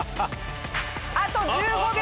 あと１５秒！